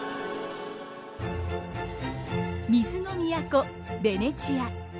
水の都ベネチア。